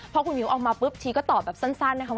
พอคุณหมิวเอามาปุ๊บทีก็ตอบแบบสั้นนะครับ